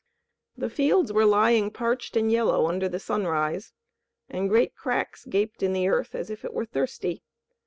The fields were lying parched and yellow under the sunrise, and great cracks gaped in the earth as if it were thirsty.